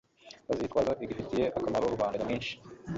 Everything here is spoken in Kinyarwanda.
bazitwaza igifitiye akamaro rubanda nyamwinshi